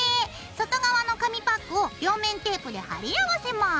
外側の紙パックを両面テープで貼り合わせます。